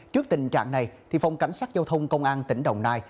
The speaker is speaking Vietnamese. trước tình trạng này phòng cảnh sát giao thông công an tỉnh đồng nai